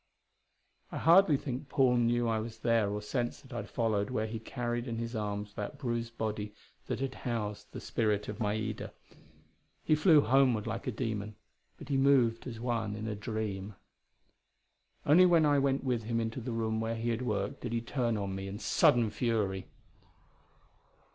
I hardly think Paul knew I was there or sensed that I followed where he carried in his arms the bruised body that had housed the spirit of Maida. He flew homeward like a demon, but he moved as one in a dream. Only when I went with him into the room where he had worked, did he turn on me in sudden fury.